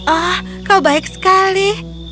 oh kau baik sekali